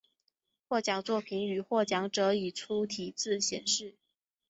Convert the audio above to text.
获奖作品与获奖者以粗体字显示。